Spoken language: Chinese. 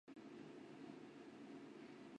于是泾阳国除。